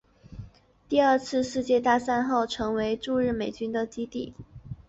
第二次世界大战后成为驻日美军的基地。